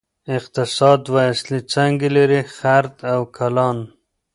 اقتصاد دوه اصلي څانګې لري: خرد او کلان.